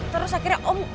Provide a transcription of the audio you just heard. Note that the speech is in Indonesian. terus akhirnya om